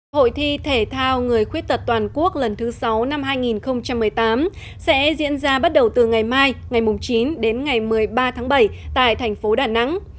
hội thi thể thao người khuyết tật toàn quốc lần thứ sáu năm hai nghìn một mươi tám sẽ diễn ra bắt đầu từ ngày mai ngày chín đến ngày một mươi ba tháng bảy tại thành phố đà nẵng